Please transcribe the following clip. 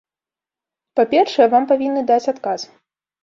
Па-першае, вам павінны даць адказ.